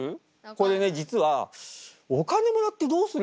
これね実はお金もらってどうする？